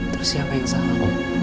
terus siapa yang salah